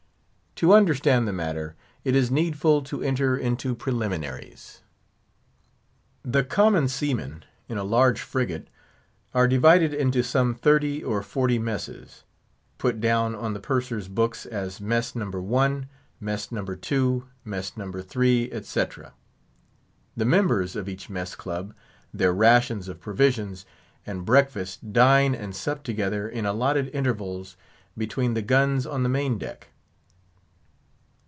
To understand the matter, it is needful to enter into preliminaries. The common seamen in a large frigate are divided into some thirty or forty messes, put down on the purser's books as Mess No. 1, Mess No. 2, Mess No. 3, etc. The members of each mess club, their rations of provisions, and breakfast, dine, and sup together in allotted intervals between the guns on the main deck.